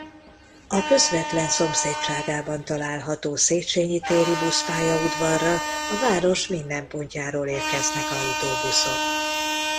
A közvetlen szomszédságában található Széchenyi téri buszpályaudvarra a város minden pontjáról érkeznek autóbuszok.